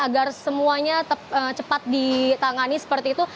agar semuanya cepat ditangani seperti itu